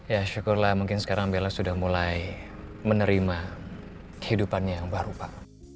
ya syukurlah mungkin sekarang bella sudah mulai menerima kehidupan yang baru pak